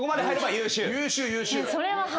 優秀優秀。